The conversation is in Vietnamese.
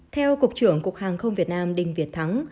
theo cục trưởng cục hàng không việt nam đình việt thắng